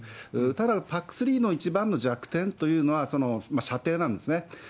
ただ、ＰＡＣ３の一番の弱点というのは、射程なんですね。